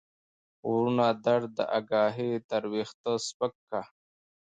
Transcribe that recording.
غرونه درد داګاهي تر ويښته سپک کا